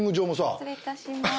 失礼いたします。